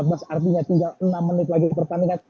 artinya tinggal enam menit lagi pertandingan